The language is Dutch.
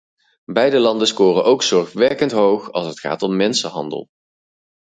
Beide landen scoren ook zorgwekkend hoog als het gaat om mensenhandel.